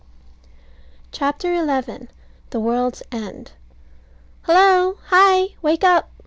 CHAPTER XI THE WORLD'S END Hullo! hi! wake up.